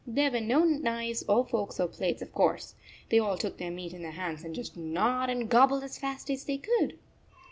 There were no knives or forks or plates, of course. They all took their meat in their hands and just gnawed and gobbled as fast as they could